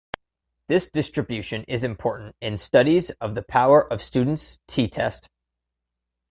This distribution is important in studies of the power of Student's "t"-test.